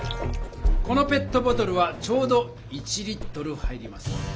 このペットボトルはちょうど１入ります。